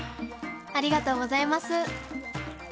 ありがとうございます。